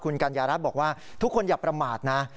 คุณกัญญารัฐบอกว่าทุกคนอย่าประมาทนะ